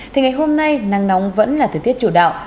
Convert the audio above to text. thì ngày hôm nay nắng nóng vẫn là thời tiết chủ đạo